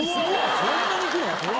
そんなに行くの？